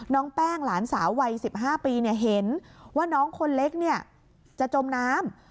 น้องแป้งหลานสาววัย๑๕ปีเห็นว่าน้องคนเล็กจะจมน้ำ